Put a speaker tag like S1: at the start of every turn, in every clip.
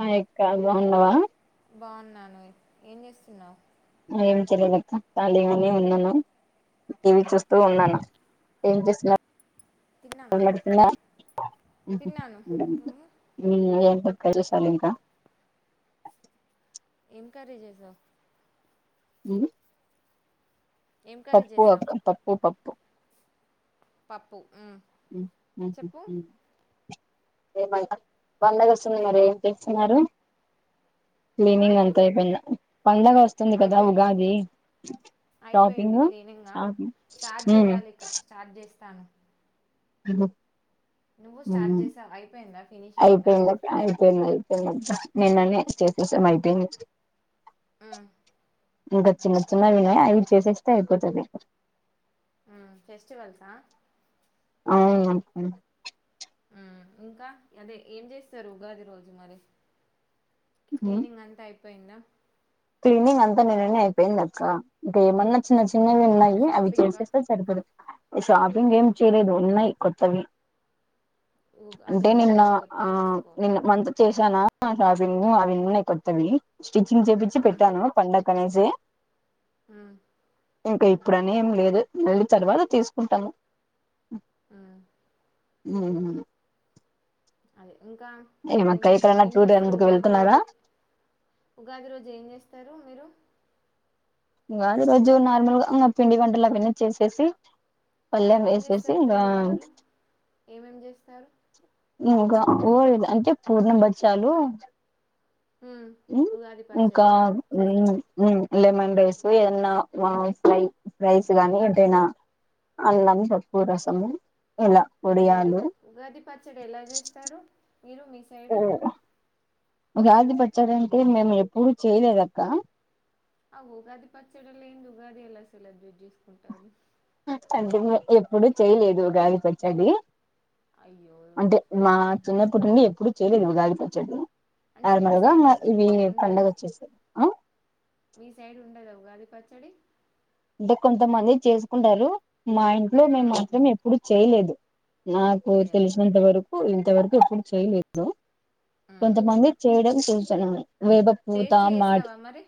S1: Hi అక్క బాగున్నావా
S2: బాగున్నాను ఏం చేస్తున్నావ్
S1: ఏం చేయలేదక్కా ఖాళీగానే ఉన్నాను. టీవీ చూస్తూ ఉన్నాను ఏం చేస్తునర్
S2: తిన్నావా
S1: ఏమన్నా తిన్నావా
S2: తిన్నాను
S1: హు
S2: ఉమ్.
S1: హ్మ్ హు కదిలేశాల్ ఇంకా
S2: ఏం కర్రీ చేసావ్
S1: హ్మ్
S2: ఏం కర్రీ
S1: పప్పు
S2: చేసావు
S1: అట్ల పప్పు పప్పు
S2: పప్పు ఉమ్.
S1: మ్మ్ మ్మ్
S2: చెప్పు
S1: హు ఏమైనా పండగ వస్తుంది మరి ఏం తెచ్చినారు
S2: ఆ?
S1: క్లీనింగ్ అంతా అయిపోయిందా పండగ వస్తుంది కదా
S2: అయిపోయింది
S1: ఉగాది
S2: అయిపోయింది
S1: షాపింగ్
S2: క్లీనింగ్
S1: షాపింగ్ మ్మ్
S2: వస్తాను.
S1: ఏమో.
S2: నువ్వు స్టార్ట్ చేసావ అయిపోయిందా ఫినిష్ అయిందా.
S1: అయిపోయింది అయిపోయింది అయిపోయింది అంటా నిన్ననే చేసేశాం అయిపోయింది.
S2: ఉమ్.
S1: ఇంకా చిన్న చిన్న ఉన్నాయి అవి చేసేస్తే అయిపోతుంది.
S2: హ్మ్. ఫెస్టివల్స్ హా.
S1: అవును అంతే.
S2: హ్మ్ ఇంకా అదే ఏం చేస్తారు ఉగాది రోజు మరి! క్లీనింగ్ అంతా అయిపోయి. అయిపోయిందా?
S1: క్లీనింగ్ అంతా నిన్ననే అయిపోయింది అక్క. ఇంకా ఏమన్నా. చిన్న
S2: ఆ,
S1: చిన్నవి ఉన్నాయే, అవి
S2: షాపింగ్కా
S1: చేసేస్తే సరిపోతుంది. షాపింగ్ ఏం చేయలేదు, ఉన్నాయి కొత్త. తమిళ.
S2: ఉ- అదే
S1: అంటే నిన్న
S2: ఉగాది కొత్త
S1: ఆ
S2: వేసుకో
S1: నిన్న మంత్ చేస్. చానా షాపింగ్ అవి ఉన్నాయి, కొత్తవి స్టిచింగ్స్. ఇచ్చి పెట్టానా పండగకి. అక్కడినుంచి.
S2: హ్మ్
S1: ఇంకా ఎప్పుడు అని ఏం లేదు, పెళ్లి తర్వాత తీసుకుంటాము.
S2: హ్మ్
S1: ఉమ్.
S2: అదే. ఇంకా ఏమి ఏం
S1: టూర్
S2: చేస్తారు
S1: అందుకు
S2: ఉగాది
S1: వెళ్తున్నారా
S2: రోజు ఉగాది రోజే ఏం చేస్తారు మీరు.
S1: ఉగాది రోజు నార్మల్ గా ఇగ పిండి వంటలు అవన్నీ చేసేసి పల్లెం
S2: ఏం
S1: వేసేసి
S2: చేస్తారు?
S1: ఇంకా
S2: పిండి వంటలు ఏమేం చేస్తారు?
S1: ఇంకా ఊర్ద్ అంటే పూర్ణ బచ్చాలు
S2: హ్మ్.
S1: ఉమ్మ్
S2: ఉగాది
S1: ఇంకా
S2: పచ్చడియా? చేస్తా
S1: హ్మ్మ్ హ్మ్మ్. లెమన్ రైస్ ఏదన్నా వామ్ ఫ్రై ఫ్రైస్ గానీ, ఏదైనా అన్నాం తప్పు రసము ఇలా
S2: ఉగాది
S1: వడియాలు
S2: ఉగాది పచ్చడి ఎలా చేస్తారు మీరు మీ సైడ్
S1: ఉగాది పచ్చడి అంటే నేను ఎప్పుడూ చేయలేదక్కా
S2: ఆ ఉగాది పచ్చడ లేనెది ఉగాది ఎలా సెలబ్రేట్ జేసు
S1: ఆళ్లు తినలే. ఎప్పుడూ చేయలేదు ఉగాది పచ్చడి
S2: అయ్యో!
S1: అంటే మా చిన్న అప్పటినుండీ ఇప్పుడు చేయలేదు నేను ఉగాది పచ్చడి
S2: అంటే మీ
S1: నార్మల్ గా
S2: సైడ్
S1: మా-
S2: ఉన్
S1: ఇవి పండగ
S2: ఉండదా
S1: వచ్చేసాయి ఆ
S2: మీ సైడ్ ఉండదా ఉగాది పచ్చడి
S1: అంటే కొంతమంది చేసుకుంటారు మా ఇంట్లో మేము
S2: హ్మ్.
S1: మాత్రం ఎప్పుడు చేయలేదు నాకు
S2: చెయ్యలేదు.
S1: తెలిసినంత వరకు ఇంత వరకు ఎప్పుడు చెయ్యలేదు
S2: హ్మ్.
S1: కొంతమంది చేయడం చూస్ [unintelligible] వేబ పూతా
S2: టేస్ట్
S1: మ
S2: చేశావా మరి?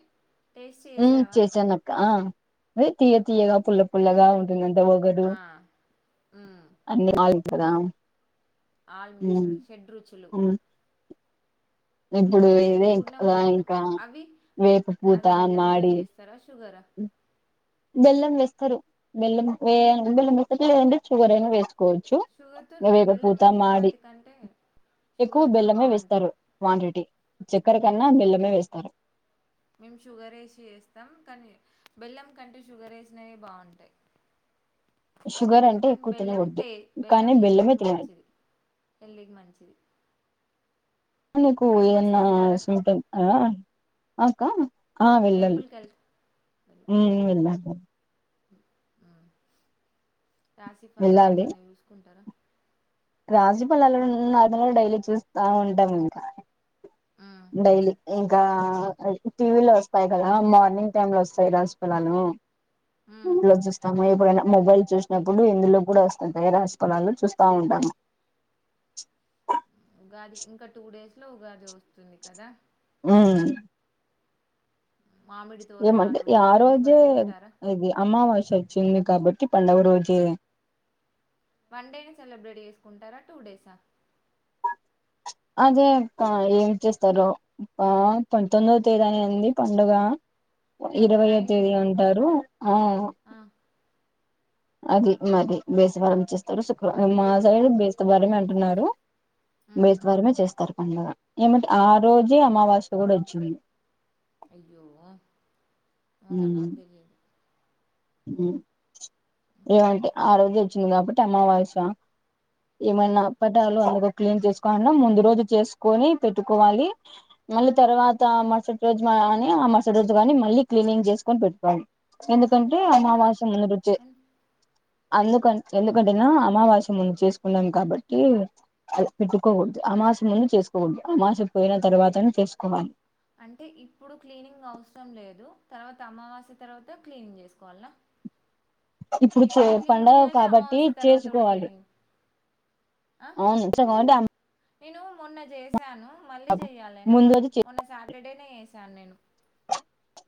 S2: టేస్ట్
S1: మ్మ్
S2: చేశావా?
S1: చేేసనక్క ఆ హ్యే తీయా తీయగా పుల్ పుల్లగా [unintelligible] పొగడు
S2: ఆ మ్మ్ మ్మ్
S1: అందరు [inaudible]
S2: ఆల్
S1: హ్మ్
S2: మిక్సర్ షెడ్ రుచులు
S1: హ్మ్
S2: మ్మ్
S1: ఇప్పుడు ఇవే
S2: పూర్ణం
S1: ఇంకా
S2: బో
S1: ఇంకా
S2: అవి
S1: వేపు పూత మాడి
S2: షుగర
S1: బెల్ం వేస్తరు బెల్ం బల్ం [unintelligible] షుగర్ వేస్తారు
S2: షుగర్ తొం బెల్లం వేసిన
S1: మాడి
S2: వాటి కంటే
S1: ఎక్కువ బెల్లమే వేస్తారు క్వాంటిటీ చక్కెర కన్నా బెల్లమే వేస్తారు
S2: మేము షుగర్ వేసి చేస్తాం కానీ బెల్లం కంటే షుగర్ వేసినవి బాగుంటాయి.
S1: షుగర్ అంటే
S2: కానీ
S1: ఎక్కువ
S2: బెల్లం
S1: తినకూడదు
S2: ట
S1: కానీ
S2: బెల్లం హెల్త్
S1: బెల్లమే
S2: కి
S1: తినాలి
S2: మంచిది హెల్త్ కి మంచిది
S1: నీకు
S2: టెంపుల్స్కి
S1: ఏమన్నా
S2: వెళ్తారా
S1: స్మిటన్ అకా ఆ వెళ్ళాము
S2: టెంపుల్కి వెళ్
S1: హ్మ్మ్ వెళ్ళాము
S2: ఆ రాశిఫలాలు ఏమన్నా చూసుకుంటారా
S1: రాశిఫలాలు డైలీ చూస్తా ఉంటాం ఇంకా
S2: ఉమ్,
S1: డైలీ ఇంకా టీవీ లో వస్తాయి కదా మార్నింగ్ టైమ్ లో వస్తాయి రాశిపలాలు
S2: ఉమ్.
S1: ఇల్లజుస్తము ఎప్పుడైనా మొబైల్ చూసినప్పుడు ఇందులో కూడా వస్తుంది రాశిఫలాలు చూస్తా ఉంటాము
S2: ఉగాది ఇంకా టూ డేస్ లో ఉగాది వస్తుంది కదా
S1: హ్మ్మ్
S2: మామిడి
S1: ఏమండి
S2: తోరణాలు
S1: ఆ
S2: అవన్నీ
S1: రోజే
S2: కట్టుకుంటారా
S1: ఇది అమావాస్య చచ్చింది కాబట్టి పండుగ రోజే
S2: వన్ డేని సెలబ్రేట్ చేసుకుంటారా టూ డేస్ హా
S1: అదే అక్క ఏమి చేస్తారు పంతొమ్మివ తేదీని అంది పండుగ ఇరవైో తేదీ
S2: నైన్టీన్త్
S1: అంటారు ఆ అది మది బెస్తవారం చేస్త త మా సైడ్ బెస్తవారం మ అంటున్నారు బెస్టవరమే చేస్తారు పండగా ఏమింటే ఆ రోజే అమావాస్య కూడా వచ్చినంది
S2: అయ్యో అవునా నాకు తెలిదు
S1: ఏమంటే ఆ రోజు వచ్చింది కాబట్టి అమావాస్య ఏమైనా అప్పటిాలు అను క్లీన్ చేసుకో ముందు రోజు చేసుకొని పెట్టుకోవాలి మళ్ళీ తర్వాత మరుసటి రోజు కాని ఆ మరుసటి రోజు కాని మళ్ళీ క్లీనింగ్ చేసుకొని పెట్టుకోవాలి ఎందు ఎందుకంటే
S2: ఎందుక
S1: అమావాస్య ముందు అందుక ఎందుకంటే
S2: అవును
S1: అమావస్య ముందు చేసుకున్నాం కాబట్టి అది పెట్టుకోకూడదు అమాస ముందు చేసుకోకూడదు అమాస పోయిన తర్వాతను చేసుకోవాలి
S2: అంటే ఇప్పుడు క్లీనింగ్ అవసరం లేదు తర్వాత అమావాస్య తర్వాత క్లీనింగ్ చేసుకోవాలనా
S1: ఇప్పుడు చే
S2: క్లీనింగ్
S1: పండగ
S2: చేయాలి
S1: కాబట్టి
S2: అమావాస్య తర్వాత కూడా
S1: చేసుకోవాలి
S2: క్లీనింగ్
S1: అవును సట్టి అమ్
S2: నేను మొన్న చేసి చేసాను మళ్ళీ చెయ్యాలేనా
S1: ముందు
S2: మొన్న
S1: రోజు చే
S2: మొన్న సాటర్డేనే చేసాను నేను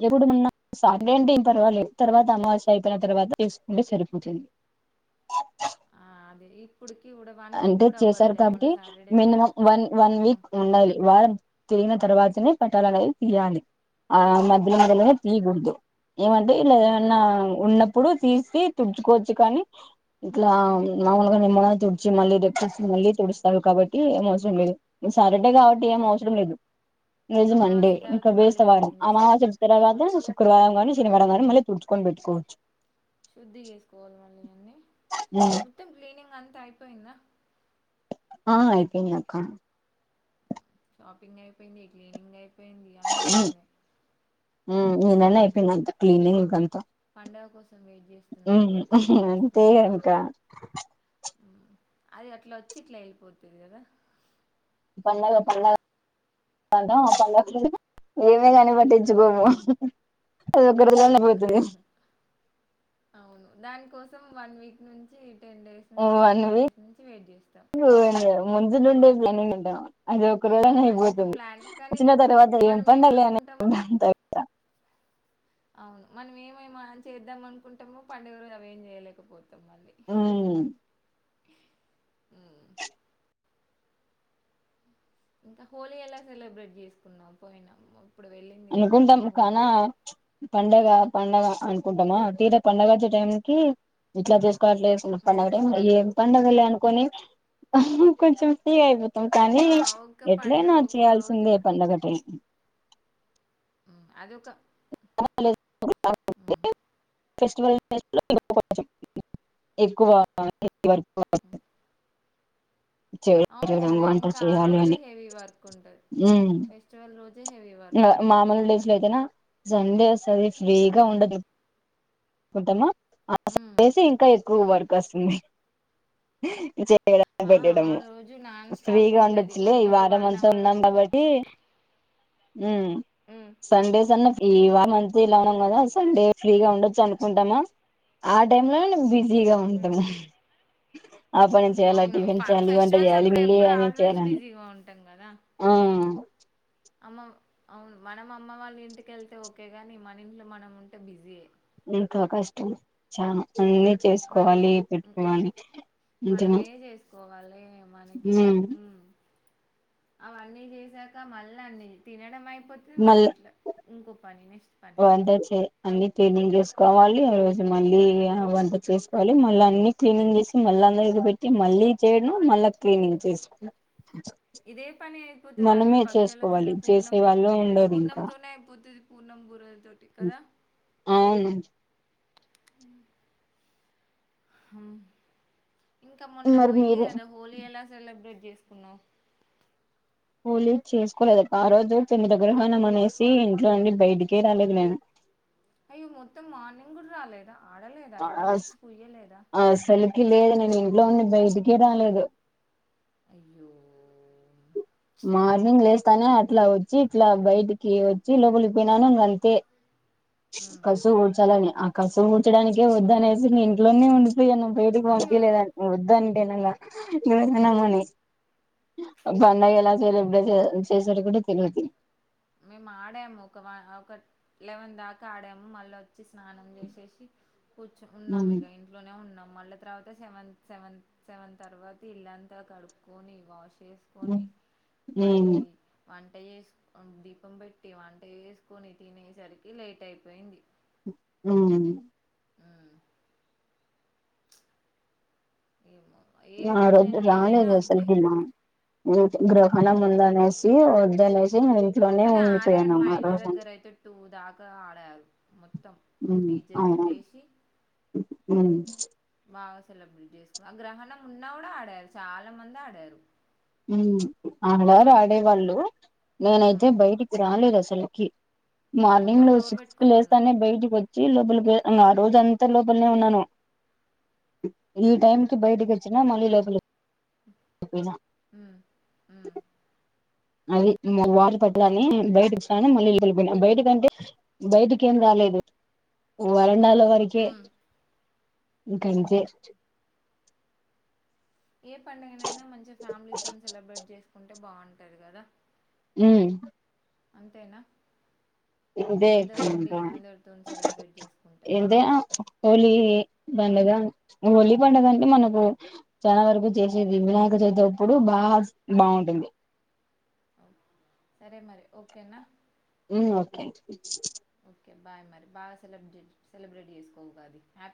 S1: ఎప్పుడు మొన్న సాటర్డే అంటే ఏం పర్వాల తర్వాత అమావాస్య అయిపోయిన తర్వాత తీసుకుంటే సరిపోతుంది
S2: ఆ అదే ఇప్పుడుకి కూడా వన్ వీక్
S1: అంటే
S2: కూడా
S1: చేశారు
S2: అవ్వట్లేదు
S1: కాబట్టి
S2: మొన్న సాటర్డేనే
S1: మినిమం వన్ వన్
S2: ఉమ్
S1: వీక్ ఉండాలి వా తిరిగిన తర్వాతనే పట్టాల అనేది తీయాలి ఆ మధ్య
S2: అవును
S1: మధ్యలో తియ్ గూడదు ఏమంటే ఇలా
S2: ఉమ్
S1: ఏమన్నా ఉన్నప్పుడు తీసి తుడుచుకోవచ్చు కానీ ఇట్లా
S2: ఉమ్
S1: మాములుగా నిమ్ వచ్చి మళ్ళీ డెప్ మళ్ళీ తుడుస్తారు కాబట్టి ఏం అవసరం లేదు సాటర్డే కాబట్టి ఏం అవసరం లేదు నిజమండి
S2: అమావాస్య
S1: ఇంకా
S2: తర్వాత మళ్ళీ
S1: బేస్తవారం
S2: క్లీనింగ్ చేసుకో
S1: అమావాస్య
S2: మ
S1: తర్వాత శుక్రవారం కాని తిరవడం కానీ మళ్ళీ తుడుచుకోని పెట్టుకోవచ్చు
S2: శుద్ధి చేసుకోవాలి మళ్ళీ అన్నీ మొత్తం క్లీనింగ్ అంతా అయి పోయిందా
S1: ఆ అయిపోయింది అక్క
S2: షాపింగ్ అయిపోయింది క్లీనింగ్ అయి
S1: హు హుమ్ ఈ నెల
S2: వెయిటింగ్
S1: అయిపోయింది అంత క్లీనింగ్ అంతా
S2: పండగ కోసం వెయిట్ చేస్తున్నారు కావచ్చు ఎప్పుడు
S1: అంతే
S2: వస్తుందని
S1: ఇంకా
S2: ఉమ్. అది అట్లా వచ్చి ఇట్లా ఎల్లిపోతుంది కదా
S1: పండగ పండగ ఎల్తం ఏమే గాని పట్టించుకోము దగ్గరగానే పోయోతిరి
S2: మొత్తం వన్ వీక్ నుంచి టెన్ డేస్ నుంచి
S1: వన్
S2: ఫిఫ్టీన్
S1: వీక్
S2: డేస్ నుంచి వెయిట్ చేస్తాం
S1: ముందు నుండి లెనిన్ ఉంటనమా అది ఒక రోజన
S2: ఉమ్, అంత
S1: అయిపోతది
S2: ప్లాన్ కానీ
S1: వచ్చిన తర్వాత ఏం
S2: మనం
S1: పండగ్లె అనే
S2: ఏమనుకుంటాము అవును మనం ఏమేమో చేద్దాం అనుకుంటామో పండుగ రోజు అవేం చేయలేకపోత మళ్ళీ
S1: ఉమ్
S2: హుమ్ ఇంకా హోలీ ఎలా సెలబ్రేట్ చేసుకున్నాం పోయినాము
S1: అనుకుంటాము కానా ప్చ్ పండగ పండగ అనుకుంటామా తీర పండగచ్చే టైంకి ఇట్లా జెస్ ప్ప
S2: ఉమ్.
S1: ఏం పండగలే అనుకొని హా కొంచెం కానీ
S2: ఆ, ఒక్క
S1: ఎట్లైన
S2: పండుగ ఒక్క రోజు
S1: వచ్చేయాల్సిందే పండగ టైమ్
S2: అది ఒక
S1: ఫెస్టివల్ డేస్ లో ఎక్కువొచేటివి ఎక్కువ ఇది వరకు
S2: అవును మరి
S1: వంట
S2: ఇంకా ఆ
S1: చేయాలి
S2: రోజే
S1: అని
S2: హెవీ వర్క్ ఉంటది
S1: ఉమ్
S2: ఫెస్టివల్ రోజు
S1: మామూలు డేస్లైతేనా సండే ఒస్త వేగ ఉండదు ఓద్దమ్మా
S2: హ్మ్
S1: అనేసి ఇంకా ఎక్కువ
S2: హ్మ్
S1: వర్క్ వస్తుంది డా
S2: ఆ ఆ
S1: [unintelligible]
S2: రోజు నాన్ స్టాప్
S1: ఫ్రీగా
S2: ఉంటది
S1: ఉండొచ్చులే
S2: మనం
S1: ఈ
S2: ఒక
S1: వారం
S2: వన్
S1: అంతా
S2: అవర్
S1: ఉన్నాం కాబట్టి ఉ
S2: హ్మ్
S1: సండేస్ అన్న ఫ్రీ ఈ వా మంత్ ఇలా ఉన్నాం కదా సండే ఫ్రీగా ఉండొచ్చు అను కుంటామా ఆ టైం లో నేన్ బిస్ జిగా
S2: హ్మ్
S1: ఉంటాము ఆ పని చేయాలి
S2: అవును
S1: టిఫిన్ చేయాలి వంట
S2: ఫెస్టివల్స్
S1: చేయాలి
S2: అప్పుడు
S1: మళ్ళీ
S2: ఎప్పుడు
S1: అని
S2: ఆల్వేస్
S1: చేయాలని
S2: బిజీగా ఉంటాం కదా
S1: ఆ
S2: అమ్మ అవును మనం అమ్మ వాళ్ళ ఇంటికెళ్తే ఓకే గాని మన ఇంట్లో మనం ఉంటే బిజీఏ
S1: ఇంకా కష్టం చాన
S2: మనకు
S1: అంతేనా
S2: మనమే చేసుకోవాలే మనకే
S1: ఉమ్
S2: ఆ అవన్నీ చేసాక మల్లన్నీ తినడమాయి పోతది మళ్ళీ ఇట్లా ఇంకో పని నెస్
S1: వంటచే అన్ని క్లీనింగ్ చేసుకోవాలి రోజు మళ్ళీ వంట చేసుకోవాలి మళ్ళీ అన్ని క్లీనింగ్ చేసి మళ్ళీ అందరి పెట్టి మళ్ళీ చేయడం మళ్ళా క్లీనింగ్ చేసుకో
S2: ఇదే పని పది ఆ రోజు
S1: మనమే చేసుకోవాలి
S2: భక్ష్యాలతోనే పూర్ణం
S1: చేసే వాళ్ళు ఉండరు ఇంకా
S2: పూర్ణంతోనే అయిపోతదీ పూర్ణం బూరెలతోటి కదా
S1: అవును
S2: హ్మ్ ఇంకా మొన్న
S1: మరి
S2: పోయింది
S1: మీరు
S2: కదా హోలీ ఎలా సెలబ్రేట్ చేసుకున్నారు
S1: హోలీ చేసుకోలేదు అక్క ఆ రోజు చంద్రగ్రహణం అనేసి ఇంట్లో నుండి బయటికే రాలేదు నేను
S2: అయ్యో మొత్తం మార్నింగ్ కూడా రాలేదా ఆడలేదా ఎవరు
S1: అస్
S2: వచ్చి పుయ్యలేదా
S1: ఇంట్లోండి బయటికే రాలేదు
S2: అయ్యో
S1: మార్నింగ్ లెస్ తనే అట్లా వచ్చి ఇట్లా బయటికి వచ్చి లోపలికి పోయినాను ఇంగ అంతే
S2: ఉమ్.
S1: కసు గోడ్చాలనే ఆ కసుం కూర్చడానికే వద్దు అనేసి నే ఇంట్లోనే ఉం పోయాను బయటికి పొనికే
S2: అయ్యో
S1: లేదని ఒద్దని ఎన్నన్న ఈమె ఏనాన్నపోని పండగ్ అసలు బెష్ చేసుకుండా తెలువది
S2: మేము ఆడాము ఒక ఒక లెవెన్ దాకా ఆడాము మళ్ళీ వచ్చి స్నానం చేసేసి కూచ ఉన్నాం ఇక ఇంట్లోనే ఉన్నాం మళ్ళీ తర్వాత సెవెంత్ సెవెంత్ సెవెన్ తర్వాత ఇల్లంతా కడుక్కకొని వాష్ చేసుకొని
S1: ఉమ్
S2: మళ్ళీ వంట ఉమ్ దీపం పెట్టి వంట వేసుకొని తినేసరికి లేట్ అయిపోయింది
S1: ఉమ్
S2: ఉమ్, ఎమో
S1: ఆ రజ రాలేసలుపి గ్రహణ
S2: ఉమ్,
S1: ముందనే ఇ వోధు ఆన్
S2: కానీ ఆడారు మా ఇంటి దగ్గర అయితే టూ దాకా ఆడారు మ
S1: ఉమ్ అవునా ఉమ్
S2: బాగా సెలబ్రేట్ చేసుకు ఆ గ్రహణం ఉన్నా కూడా ఆడారు చాలా మంది ఆడారు
S1: ఉమ్ ఆడారు
S2: మాకు
S1: ఆడేవాళ్ళు నేనైతే
S2: మ్మ్.
S1: బయటికి రాలేదు అసలుకి
S2: మొత్తం
S1: మార్నింగ్ లో
S2: డోర్
S1: సిక్స్ క
S2: పెట్టుకొనే ఉన్నావా
S1: లేస్తానే బయటికి వచ్చి లోపల ఆ రోజు అంతా లోపలనే ఉన్నాను ఈ టైమ్ కి బయటకి వచ్చినా మళ్ళీలో హలో
S2: ఉ ఉ ఉ
S1: అది వారి పట్లని బయటకిని మళ్ళీ ఇ కలునా బయట కంటే బయటకి ఏం రాలేదు వాళ ఎన్నాలో వరకె
S2: మ్మ్.
S1: గంథే
S2: ఏ పండుగ అైనా మంచిగా ఫ్యామిలీ తోన్ సెలబ్రేట్ చేసుకుంటా అంటే బాగుంటారు కదా
S1: హ్మ్
S2: అంతేనా
S1: ఇదేంద
S2: అందరు
S1: ఎకువా
S2: ఉండి
S1: ఇంకా
S2: అందరితో సెలబ్రేట్ చేసుకుంటే
S1: ఇదే హోలీ పండగ హోలీ పండగ అంటే మనకు చాలా వరకు చేసేది వినాయక చవితి ఇప్పుడు బాగా బాగుంటుంది
S2: సరే మరి ఓకేనా
S1: ఉమ్ ఓకే
S2: ఓకే బాయ్ మరి బాగా సెలబేట్ సెలబ్రేట్ చేసుకో కాది హ్యాపీ